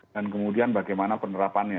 dan kemudian bagaimana penerapannya